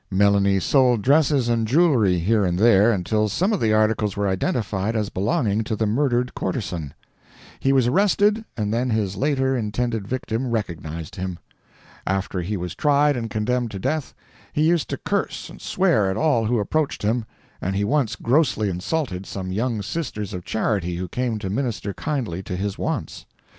Melanie sold dresses and jewelry here and there until some of the articles were identified as belonging to the murdered courtezan. He was arrested and then his later intended victim recognized him. After he was tried and condemned to death, he used to curse and swear at all who approached him; and he once grossly insulted some young Sisters of Charity who came to minister kindly to his wants.